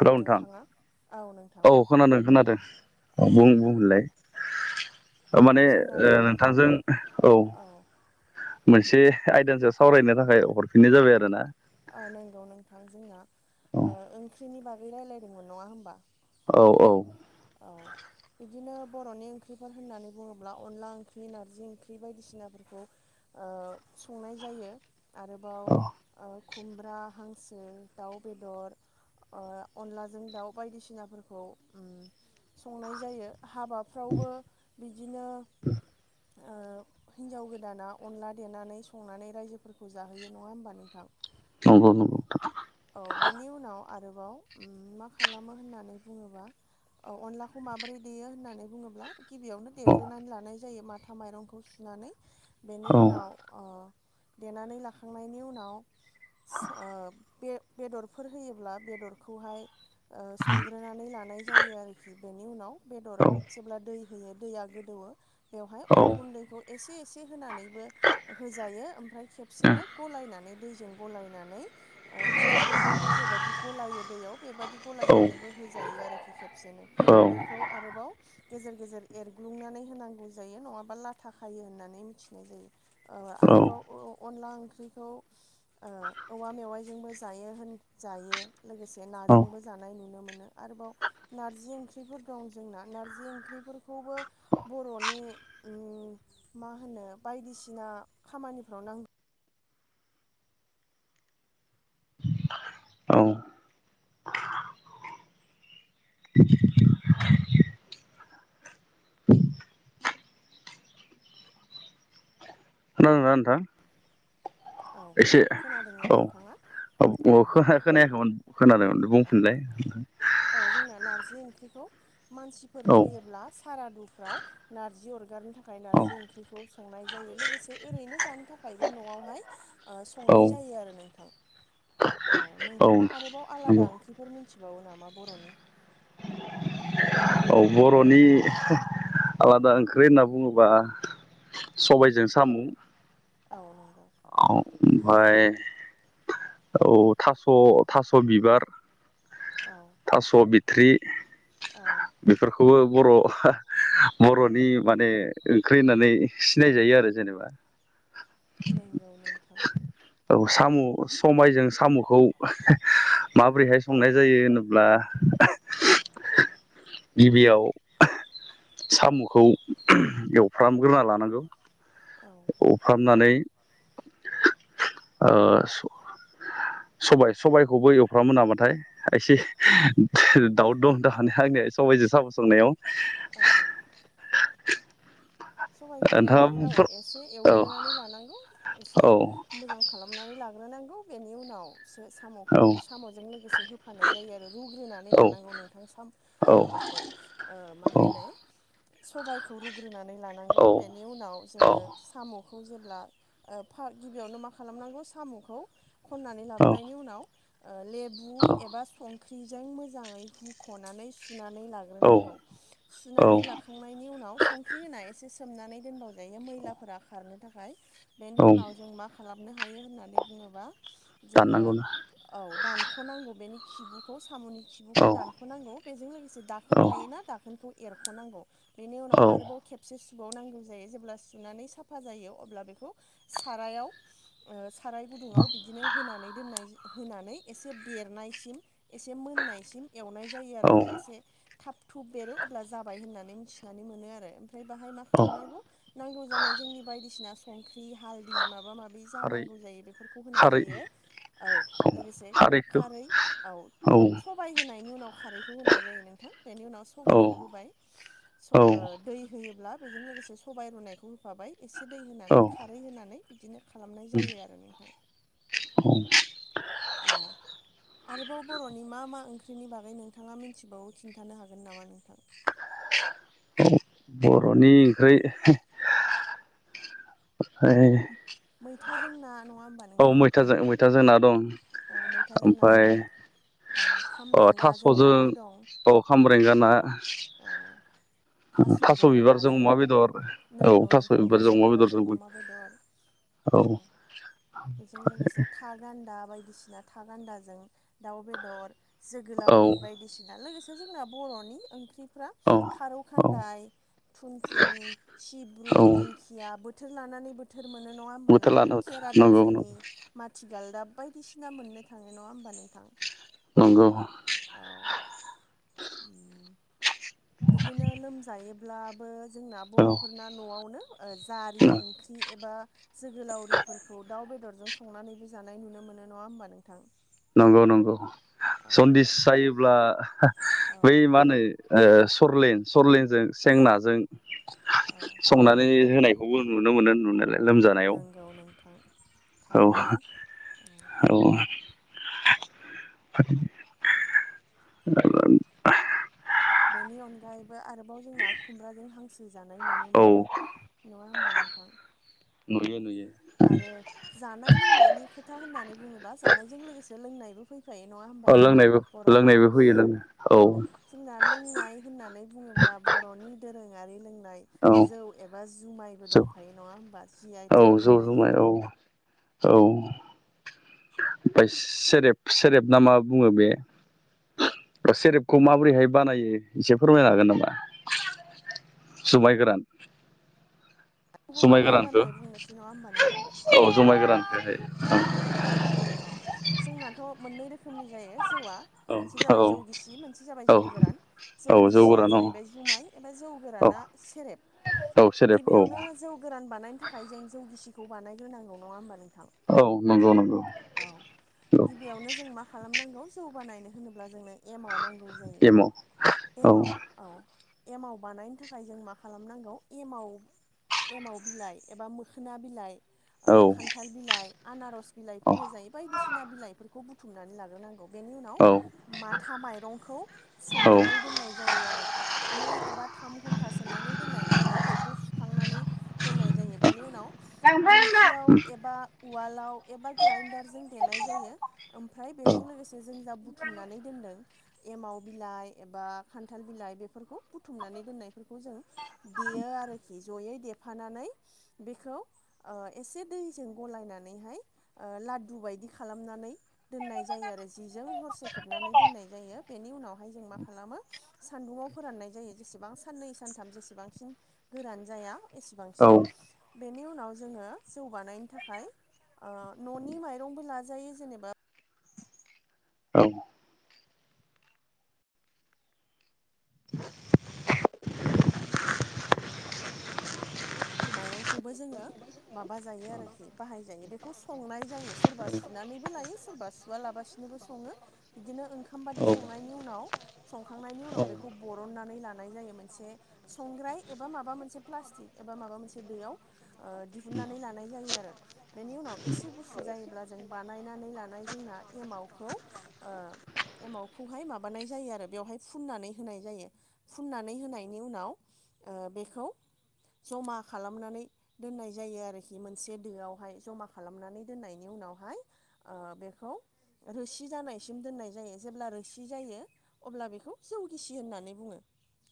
र' नोंथां नोंथाङा औ नोंथां औ खोनादों खोनादों औ बुं बुं होनलाय ओ‌ औ माने ओ जोंनाथ' औ नोंथांजों औ ओ मोनसे आयदासो सावरायनो थाखाय हरफिननाय जाबाय आरो ना नंगौ नोंथां जोंना औ ओंख्रिनि बागै रायज्लायदोंमोन नङा होमबा औ औ औ बिदिनो बर'नि ओंख्रिफोर होननानै बुङोब्ला अनला ओंख्रि नारजि ओंख्रि बायदिसिनाफोरखौ संनाय जायो औ आरोबाव खुमब्रा हांसो दाउ बेदर अ अनलाजों दाउ बायदिसिनाफोरखौ संनाय जायो हाबाफ्रावबो बिदिनो हिन्जाव गोदाना अनला देनानै संनानै रायजोफोरखौ जाहोयो नंङा होमबा नोंथां। नंगौ नगौ औ बेनि उनाव आरोबाव मा खालामो होननानै बुङोबा औ अनलाखौ माबोरै देयो होननानै बुङोब्ला गिबियावनो औ देग्रोनानै लानाय जायो मा आथा माइरंखौ सुनानै बेनि औ उनाव अ देनानै लाखांनायनि उनाव सो‌ बे बेदरफोर होयोब्ला बेदरखौहाय संग्रोनानै लानाय जायो आरो। बेनि उनाव औ बेदराव जेब्ला दै होयो दैया गोदौवो बेवहाय अन औ गुन्दैखौ एसे एसे होनानैबो होजायो ओमफ्राय खेबसेनो गलायनानै दैजों गलायनानै फिथा गुन्दैखौ जेबायदि गलायो दैयाव बेबायदि औ गलायनानैबो होजायो आरोखि खेबसेनो बेखौ आरोबाव गेजेर गेजेर एरग्लुंनानै होनांगौ जायो नङाबा लाथा खायो होननानै मिथिनाय जायो। आरोबाव अनला ओंख्रिखौ ओ औवा मेवाइजोंबो जायो होनजायो लोगोसे नाजोंबो जानाय नुनो मोनो आरोबाव नारजि ओंख्रिफोर दं जोंना नारजि ओंख्रिफोरखौबो बर'नि मा होनो बायदिसिना खामानिफ्राव नां खोनादोंना खोनादों ना नोंथां। औ एसे खोनादोंना औ नोंथाङा औ नोंथां खोनायाखैमोन खोनादोंमोन औ बुंफिनलाय औ जोंना नारजि ओंख्रिखौ मानसिफोर औ थैयोब्ला सारादुफ्राव नारजि अरगारनो थाखाय औ नारजि ओंख्रिखौ संनाय जायो लोगोसे ओरैनो जानो थाखायबो न'आवहाय औ संनाय जायो आरो नोंथां औ नोंथाङा आरोबाव आलादा नंगौ ओंख्रिफोर मिथिबावो नामा बर'नि औ बर'नि आलादा ओंख्रि होनना बुङोबा औ सबायजों साम' औ नंगौ ओमफफ्राय औ थास' थास' बिबार औ थास' बिथ्रि औ बेफोरखौबो बर' बर'नि माने ओंख्रि होननानै सिनायजायो आरो जेनेबा नंगौ नांथां औ साम' समबायजों साम'खौ माबोरैहाय संनाय जायो होनोब्ला गिबियाव साम'खौ एवफ्रामग्रोना लानांगौ औ एवफ्रामनानै ओ सबाय सबायखौबो एवफ्रामो नामाथाय एसे दाउट दं दान आंनि सबाइजों साबसंनायाव। औ। सबाइखौ नोंथाङा नोंथां औ एसे औ एवग्रोनानै लानांगौ, एसे औ मोजां खालामनानै लाग्रोनांगौ बेनि उनावसो औ साम'खौ साम'जों लोगोसे हो होफानानाय जायो आरो रुग्रोनानै औ लानांगौ नोंथां साम औ माबाखौ। मा होनो सबबायखौ रुग्रोनानै लाना औ नांगौ बेनि उनाव औ जोङो साम' खौ जेब्ला ओ फा गिबियावनो मा खालामनांगौ साम'खौ खननानै लाबोनायनि उनाव लेबु औ एबा संख्रिजों मोजाङै हुख'नानै सुनानै औ लाग्रोनांगौ। औ सुनानै लाखांनायनि उनाव संख्रि होनाय एसे सोमनानै दोनबावजायो मैलाफोरा खारनो थाखाय। बेनि औ उनाव जों मा खालामनो हायो होननानै बुङोबा जोङो दाननांगौना औ दानख'नांगौ, बेनि खिबुखौ साम'नि खिबुखौ औ दानख'नांगौ। बेजों लोगोसे दाखोन औ थायोना दाखोनखौ एरख'नांगौ। बेनि उाव औ आरोबाव खेब से सुबावनांगौ जायो जेब्ला सुनानै साफा जायो, अब्ला बेखौ सारायाव साराय गुदुङाव बिदिनो होनानै दोननाय होनानै एसे बेरनायसिम एसे मोननायसिम एवनाय जायो औ आरोखि एसे थाब थुब बेरो अब्ला जाबाय होननानै मिथिनानै मोनो आरो ओमफ्राय बाहाय मा औ खालामनांगौ। नांगौ जानाय जोंनि बायदिसिना संख्रि हालदै माबा माबि जा खारै नांगौ जायो बेफोर खौ होनाय खारै जायो। औ लोगोसे खारै औ औ सब सबाय होनायनि उनाव खारैखौ होनाय जायो नोंथां। बेनि उनाव औ सबायखौ होबाय स ओ औ दै होयोब्ला बेजों लोगोसे सबाइ रुनायखौ होफाबाय एसे दै औ होनानै खारै होनानै बिदिनो खालामनाय जायो आरो नोंथां। औ। औ। आरोबाव बर'नि मा मा ओंख्रिनि बागै नोंथाङा मिथिबावो खिन्थानो हागोन नामा नोंथां? बर'नि ओंख्रि ज मैथाजों ना नङा होमबा नों औ मैथाजों मैथाजों ना दं। औ मैथाजों ना ओमफ्राय दं, औ अ खामब्रेंगाजों थास'जों नाबो दं। औ खामब्रेंगा ना। औ। थास' थास'जों बिबारजों नाजों अमा बेदर। औ नोंगौ थास' नोंथां बिबारजों अमा बेदरजोंबो। अमा बेदर औ। बेजों लोगोसे था गान्दा बायदिसिना था गान्दाजों दाउ बेदर। औ जोगोलावरि बायदिसिना। लोगोसे जोंना बर'नि ओंख्रिफ्रा औ खारौ औ खान्दाय, थुनथुनि, सिब्रु, औ दिं खिया। बोथोर लानानै बोथोर मोनो नङा होमबा बोथोर नोंथां लाना बोथोर खेरा नंगौ नंगौ दाफिनि माथिगालदाब बायदिसिना मोननो थाङो नङा होमबा नोंथां। नंगौ। औ। बिदिनो लोमजायोब्लाबो जोंना बर'फोरना न'आवनो जारि औ ओंख्रि एबा जोगोलावरिफोरखौ दाउ बेदरजों सं संनानैबो जानाय नुनो मोनो नङा होमबा नोंथां। नंगौ नंगौ औ सन्दिस नोंथां जायोब्ला औ बै मा होनो सरलेन सरलेनजों सें नाजों औ संनानै होनायखौबो नुनो मोनो नुनायलाय लोमजानायाव। थां। औ औ [inaudible] औ बेनि अनगायैबो आरोबाव जोंना खुमब्राजों हांसो जानाय नुनो औ मोनो नङा होमबा नोंथां औ नुयो नुयो आरो जानाय लोंनायनि खोथा होननानै बुङोबा जानायजों लोगोसे लोंनायबो फै फायो नङा होमबा औ जोंना लोंनायबो बर'फोरना लोंनायबो होयो लोंनो औ। ना लोंनाय होननानै बुङोब्ला बर'नि दोरोङारि लोंनाय औ जौ एबा जुमायबो जौ दंफायो नङा होमबा जि आइ औ टेक जौ मोननाय जुमाय जोंना औ औ ओफाय सेरेब सेरेब ना मा बुङो बे बा सेरेबखौ माबोरैहाय बानायो एसे फोरमायनो हागोन नामा? जुमाय गोरान बेखौबो जुमाय माबोरै गोरानखो बानायो बुंनोसै नङा होमबा नोंथां औ जुमाय गोरानखोहाय। औ जोंनाथ' मोननै रोखोमनि जायो जौआ। औ मोनसे औ जाबाय जौ गिसि मोनसे जाबाय औ जौ गोरान। जौ औ गिसिया गोरान औ जाहैबाय जुमाय एबा जौ औ गोराना सेरेब। औ सेरेब औ गिबियावनो जौ गोरान बानायनो थाखाय जों जौ गिसिखौ बानायग्रोनांगौ नङा होमबा नोंथां? औ नंगौ नंगौ। औ औ गिबियावनो जों मा खालामनांगौ जौ बानायनो होनोब्ला जोंनो एमाव नांगौ एमाव जायो औ एमाव औ एमाव बानायनो थाखाय जों मा खालामनांगौ एमाव एमाव बिलाइ एबा मोखोना बिलाइ औ ओ खान्थाल बिलाइ आनार'स औ बिलाइफोर होजायो बायदिसिना बिलाइफोरखौ बुथुमनानै लाग्रोनांगौ। बेनि औ उनाव माथा माइरंखौ सोमनानै दोननाय जायो आरोखि नै एबा थाम घन्टा सोमनानै दोननायनि उनाव बेखौ सुखांनानै दोननाय जायो बेनि उनाव दिंखियाव एबा उवालाव एबा ग्राइन्डारजों देनाय जायो ओमफ्राय बेजों लोगोसे जों जा बुथुमनानै दोनदों एमाव बिलाइ एबा खान्थाल बिलाइ बेफोरखौ बुथुमनानै दोननायफोरखौ जों देयो आरोखि जयै दे फानानै बेखौ ओ एसे दैजों गलायनानैहाय ओ लाददु बायदि खालामनानै दोननाय जायो आरो जिजों हरसे खोबनानै दोननाय जायो बेनि उनावहाय जों मा खालामो सानदुंआव फोराननाय जायो जेसेबां साननै सानथाम जेसेबांसिन गोरान जाया औ एसेबांसिम बेनि उनाव जोङो जौ बानायनो थाखाय ओ न'नि माइरंबो लाजायो जेनेबा औ [inaudible] फोर माइरंखौबो जोङो माबा जायो आरोखि बाहाय जायो बेखौ संनाय जायो सोरबा सुनानैबो लायो सोरबा सु सुवालाबासिनोबो सङो बिदिनो ओंखाम बादि औ संनायनि उनाव संखांनायनि उनाव औ बेखौ बरननानै लानाय जायो मोनसे संग्राय एबा माबा मोनसे प्लास्टिक एबा माबा मोनसे बेयाव ओ दिहुननानै लानाय जायो आरो। बेनि उनाव एसे गुसु जायोब्ला जों बानायनानै लानाय जोंना एमावखौ ओ एमावखौहाय माबानाय जायो आरो बेवहाय फुननानै होनाय जायो। फुननानै होनायनि उनाव ओ बेखौ ज'मा खालामनानै दोननाय जायो आरोखि मोनसे दोआवहाय ज'मा खालामनानै दोननायनि उनावहाय ओ बेखौ रोसि जानायसिम दोननाय जायो जेब्ला रोसि जायो अब्ला बेखौ जौ गिसि होननानै बुङो।